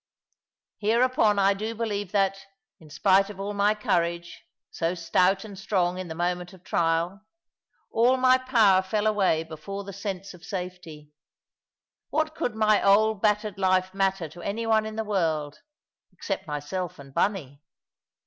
Hereupon I do believe that, in spite of all my courage so stout and strong in the moment of trial all my power fell away before the sense of safety. What could my old battered life matter to any one in the world, except myself and Bunny?